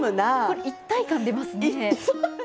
これ一体感出ますね。